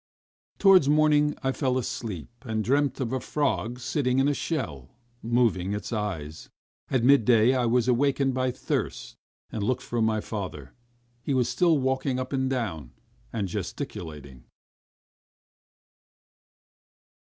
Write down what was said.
Towards morning, I fell asleep and dreamt of a frog sitting in a shell, moving its eyes. At midday I was awakened by thirst, and looked for my father: he was still walking up and down and gesticulating.